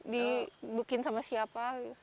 dibukin sama siapa